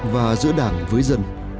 và giữa đảng với dân